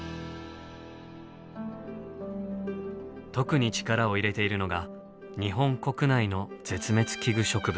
特に力を入れているのが日本国内の絶滅危惧植物。